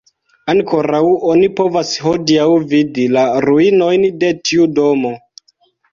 Ankoraŭ oni povas hodiaŭ vidi la ruinojn de tiu domo.